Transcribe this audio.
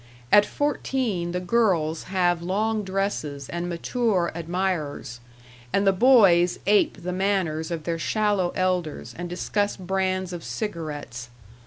At fourteen the girls have long dresses and mature admirers, and the boys ape the manners of their shallow elders and discuss brands of cigarettes.